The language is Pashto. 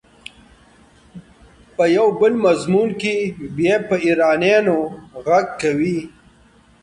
په یو بل مضمون کې بیا پر ایرانیانو غږ کوي.